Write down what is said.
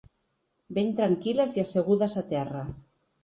Ben tranquil·les i assegudes a terra.